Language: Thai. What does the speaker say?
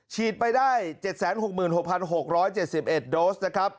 ฉีดไปได้เจ็ดแสนหกหมื่นหกพันหกร้อยเจ็ดสิบเอ็ดโดสนะครับ